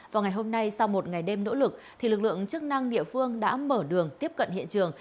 vào ngày hôm nay sau một ngày đêm nỗ lực lực lượng chức năng địa phương đã mở đường tiếp cận hiện trường